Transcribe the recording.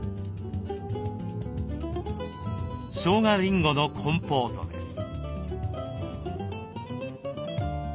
しょうがりんごのコンポートです。